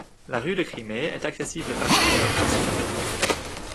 La rue de Crimée est accessible par plusieurs stations de métro.